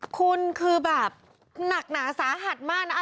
คุณคือแบบหนักหนาสาหัสมากนะ